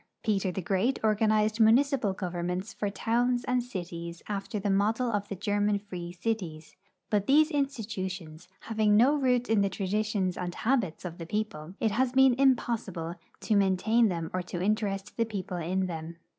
Peter tlie Great organized municipal governments for towns and cities after the model of the German free cities, but these institutions having no root in the traditions and habits of tlie people, it has been impossil)le to maintain them or .to interest the people in them.